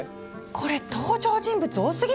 これ登場人物多すぎない？